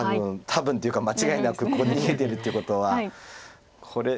多分っていうか間違いなくこれ逃げてるっていうことはこれ。